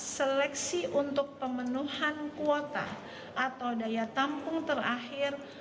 seleksi untuk pemenuhan kuota atau daya tampung terakhir